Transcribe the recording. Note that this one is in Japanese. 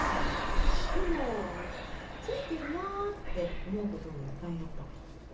でもついてるなって思うこともいっぱいあったから。